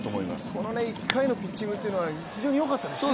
この１回のピッチングは、非常によかったですね。